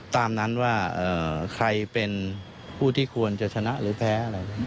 ตามนั้นว่าใครเป็นผู้ที่ควรจะชนะหรือแพ้อะไร